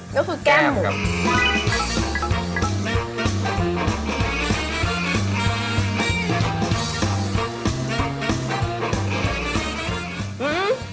ก็คือแก้มหมู